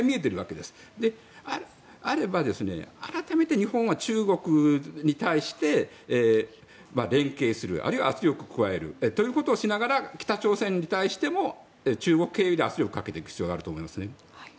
であれば改めて日本は中国に対して連携する、あるいは圧力を加えるということをしながら北朝鮮に対しても中国経由で圧力をかけていく必要があると思います。